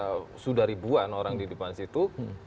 karena sudah ribuan orang di depan situ